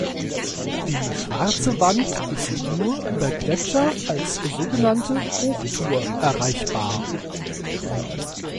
Die Schwarze Wand ist nur über Gletscher als sogenannte Hochtour erreichbar.